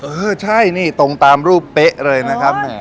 เออใช่นี่ตรงตามรูปเป๊ะเลยนะครับ